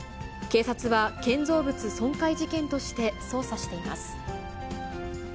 警察は、建造物損壊事件として捜査しています。